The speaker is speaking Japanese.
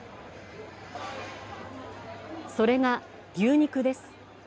それが牛肉です。